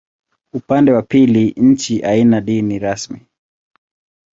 Upande wa dini, nchi haina dini rasmi.